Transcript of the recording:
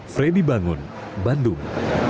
fredy bangun bandung